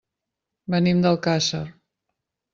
Venim d'Alcàsser.